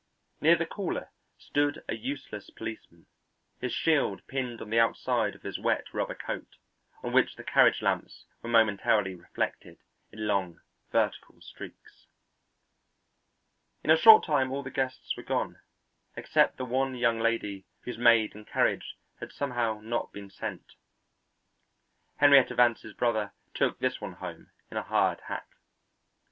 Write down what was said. Near the caller stood a useless policeman, his shield pinned on the outside of his wet rubber coat, on which the carriage lamps were momentarily reflected in long vertical streaks. In a short time all the guests were gone except the one young lady whose maid and carriage had somehow not been sent. Henrietta Vance's brother took this one home in a hired hack.